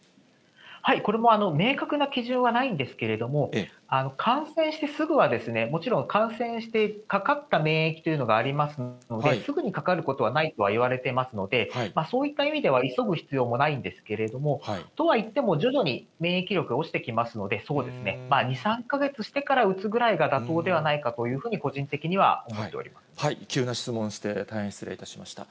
これも明確な基準はないんですけれども、感染してすぐは、もちろん感染してかかった免疫というのがありますので、すぐにかかることはないとは言われていますので、そういった意味では、急ぐ必要もないんですけれども、とはいっても、徐々に免疫力が落ちてきますので、そうですね、まあ２、３か月してから打つぐらいが妥当ではないかというふうに、個人的急な質問して、大変失礼いたしました。